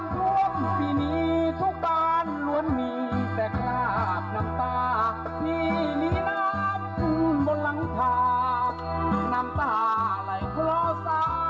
ที่นี่น้ำสูงบนหลังทาน้ำตาไหล่พลสาป